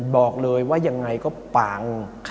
บอกเลยว่ายังไงก็ปัง